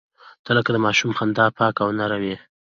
• ته لکه د ماشوم خندا پاکه او نرمه یې.